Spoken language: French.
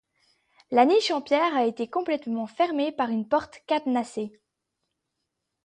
La niche en pierre a été complètement fermée par une porte cadenassée.